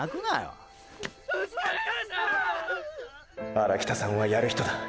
荒北さんはやる人だ。